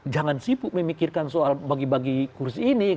jangan sibuk memikirkan soal bagi bagi kursi ini